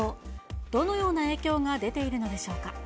どのような影響が出ているのでしょうか。